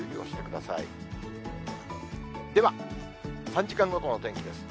では、３時間ごとの天気です。